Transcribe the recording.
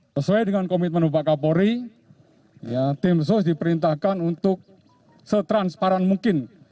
sesuai dengan komitmen bapak kapolri tim sus diperintahkan untuk setransparan mungkin